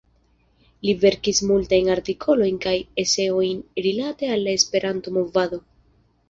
Li verkis multajn artikolojn kaj eseojn rilate al la Esperanto-movado.